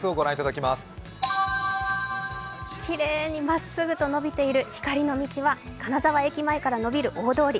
きれいにまっすぐと伸びている光りの道は金沢駅前から伸びる大通り。